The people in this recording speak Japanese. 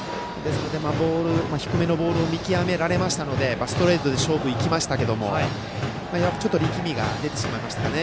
低めのボール見極められたのでストレートで勝負に行きましたがやはり、ちょっと力みが出てしまいましたかね。